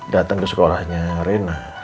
datang ke sekolahnya rena